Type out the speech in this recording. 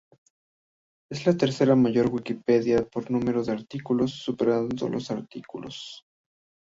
Es la tercera mayor Wikipedia por número de artículos, superando los artículos.